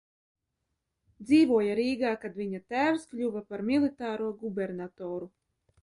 Dzīvoja Rīgā, kad viņa tēvs kļuva par militāro gubernatoru.